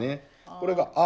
これが「あ」